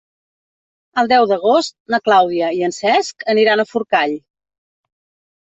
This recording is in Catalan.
El deu d'agost na Clàudia i en Cesc aniran a Forcall.